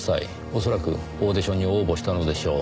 恐らくオーディションに応募したのでしょう。